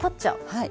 はい。